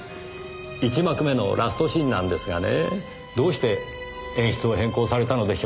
一幕目のラストシーンなんですがねぇどうして演出を変更されたのでしょう？